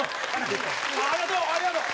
ありがとう！